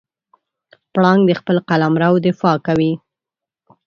پړانګ د خپل قلمرو دفاع کوي.